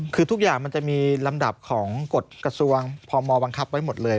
คือทุกอย่างมันจะมีลำดับของกฎกระทรวงพมบังคับไว้หมดเลย